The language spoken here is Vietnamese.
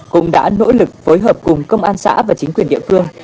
cũng đã nỗ lực phối hợp cùng công an xã và chính quyền địa phương